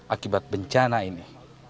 akibat bencana ini